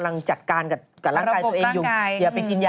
แล้วเขากินอะไรไปถึงเป็นอย่างงั้มน่ะ